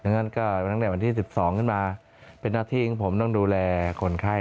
งั้นก็ตั้งแต่วันที่๑๒ขึ้นมาเป็นหน้าที่ของผมต้องดูแลคนไข้